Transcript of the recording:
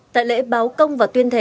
tại lễ báo công và tuyên thệ